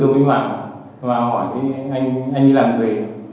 thứ tư tôi mới vào hỏi anh ấy làm gì